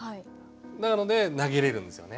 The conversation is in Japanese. なので投げれるんですよね。